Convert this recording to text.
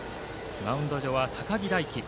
マウンド上は高木大希。